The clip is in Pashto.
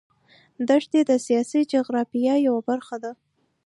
دښتې د سیاسي جغرافیه یوه برخه ده.